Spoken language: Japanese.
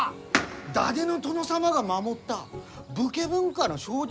伊達の殿様が守った武家文化の象徴です！